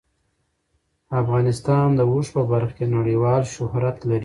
افغانستان د اوښ په برخه کې نړیوال شهرت لري.